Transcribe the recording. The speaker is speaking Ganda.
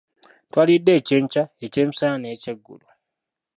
Twalidde Ekyenkya, Ekyemisana n'Ekyeggulo.